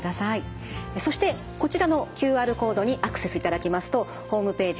そしてこちらのＱＲコードにアクセスいただきますとホームページ